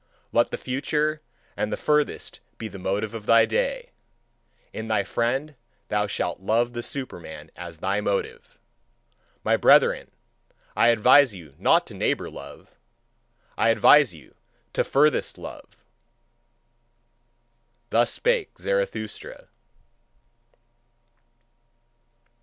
Let the future and the furthest be the motive of thy to day; in thy friend shalt thou love the Superman as thy motive. My brethren, I advise you not to neighbour love I advise you to furthest love! Thus spake Zarathustra.